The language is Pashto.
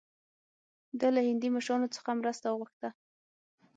ده له هندي مشرانو څخه مرسته وغوښته.